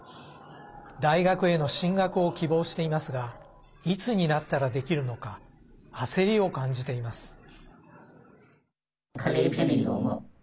大学への進学を希望していますがいつになったらできるのか焦りを感じています。